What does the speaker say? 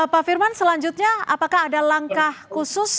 pak firman selanjutnya apakah ada langkah khusus